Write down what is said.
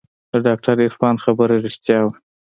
د ډاکتر عرفان خبره رښتيا وه.